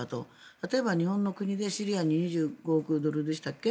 例えば日本の国でシリアに２５億円でしたっけ。